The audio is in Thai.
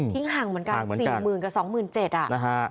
ทิ้งห่างเหมือนกัน๔๐๐๐๐กับ๒๗๐๐๐อ่ะ